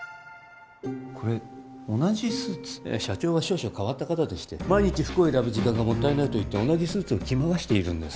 これ同じスーツ？社長は少々変わった方でして毎日服を選ぶ時間がもったいないと同じスーツを着回しているんです